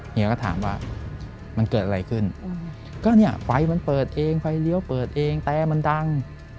เฮียก็ถามว่ามันเกิดอะไรขึ้นก็เนี่ยไฟมันเปิดเองไฟเลี้ยวเปิดเองแต่มันดัง